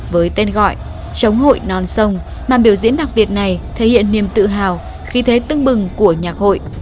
với tên gọi chống hội non sông màn biểu diễn đặc biệt này thể hiện niềm tự hào khí thế tưng bừng của nhạc hội